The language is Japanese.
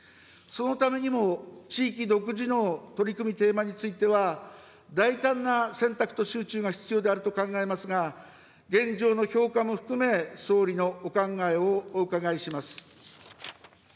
そのためにも、地域独自の取り組みテーマについては、大胆な選択と集中が必要であると考えますが、現状の評価も含め、総理のお考えをお伺いします。